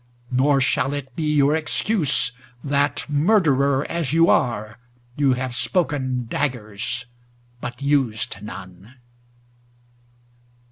Nor shall it be your excuse that, murderer as you are, you have spoken daggers but used none.